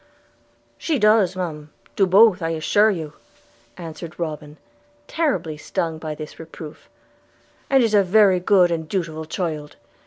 'She does, Ma'am, do both, I'll assure you,' answered Robin, terribly stung by this reproof, 'and is a very good and dutiful child.